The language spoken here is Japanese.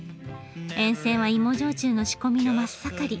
沿線は芋焼酎の仕込みの真っ盛り。